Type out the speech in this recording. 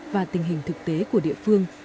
và tình hình thực tế của địa phương